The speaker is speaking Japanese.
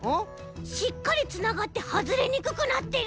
しっかりつながってはずれにくくなってる。